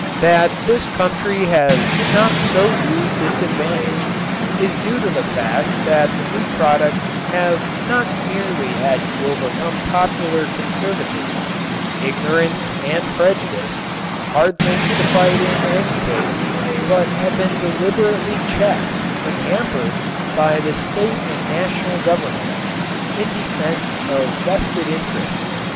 That this country has not so used its advantage is due to the fact that the new products have not merely had to overcome popular conservatism, ignorance and prejudice hard things to fight in any case but have been deliberately checked and hampered by the state and national governments in defense of vested interests.